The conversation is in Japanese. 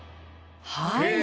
はい。